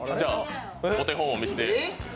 お手本見せて。